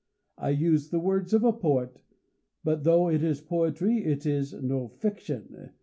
I use the words of a poet; but though it is poetry, it is no fiction.